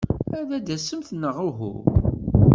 Ad d-tasemt neɣ uhu?